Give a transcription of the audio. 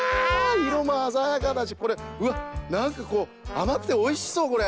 いろもあざやかだしこれうわっなんかこうあまくておいしそうこれ！